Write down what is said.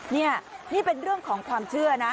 นี่นี่เป็นเรื่องของความเชื่อนะ